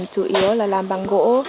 chủ yếu là làm bằng gỗ